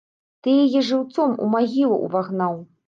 Ты яе жыўцом у магілу ўвагнаў.